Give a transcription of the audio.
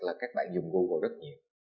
là các bạn dùng google rất nhiều